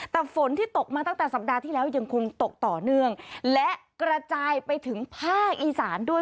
แต่ฝนที่ตกมาตั้งแต่สัปดาห์ที่แล้วยังคงตกต่อเนื่องและกระจายไปถึงภาคอีสานด้วย